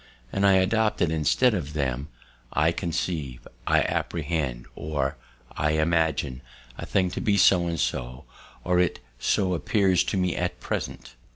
and I adopted, instead of them, I conceive, I apprehend, or I imagine a thing to be so or so; or it so appears to me at present.